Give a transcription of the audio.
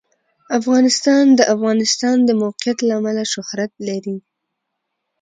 افغانستان د د افغانستان د موقعیت له امله شهرت لري.